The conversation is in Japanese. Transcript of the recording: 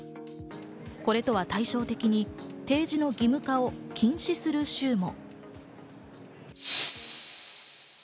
これとは対照的に提示の義務化を禁止する州も。